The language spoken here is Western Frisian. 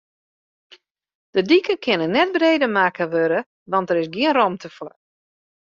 De diken kinne net breder makke wurde, want dêr is gjin rûmte foar.